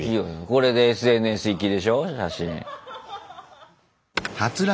これでＳＮＳ行きでしょ写真。